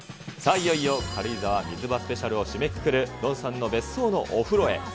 いよいよ軽井沢水場スペシャルを締めくくるドンさんの別荘のお風呂へ。